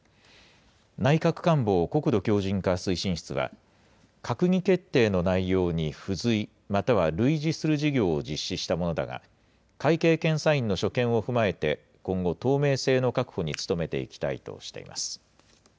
内閣官房国土強靭化推進室は、閣議決定の内容に不随、または類似する事業を実施したものだが、会計検査院の所見を踏まえて、今後、透明性の確保に努めていきたいとしています。